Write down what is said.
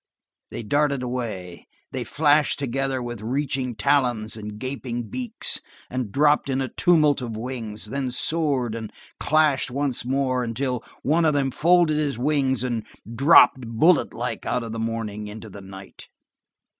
They darted away. They flashed together with reaching talons and gaping beaks, and dropped in a tumult of wings, then soared and clashed once more until one of them folded his wings and dropped bulletlike out of the morning into the night.